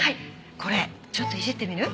これちょっといじってみる？